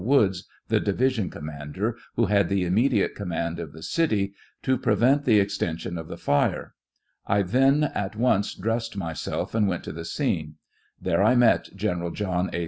Woods, the division commander, who had the immediate command of the city, to prevent the extension of the fire ; I then at once dressed myself and went to the scene ; there I met General John A.